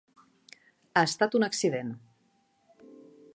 Ha estat un accident.